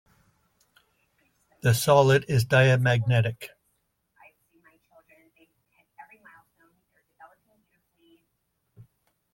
The solid is diamagnetic.